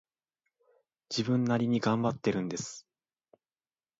自分なりに頑張っているんです